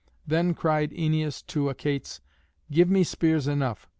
Then cried Æneas to Achates, "Give me spears enough.